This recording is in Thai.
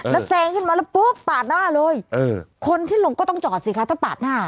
แล้วแซงขึ้นมาแล้วปุ๊บปาดหน้าเลยคนที่ลงก็ต้องจอดสิคะถ้าปาดหน้า